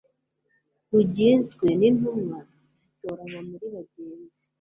rugizwe n intumwa zitoranywa muri bagenzi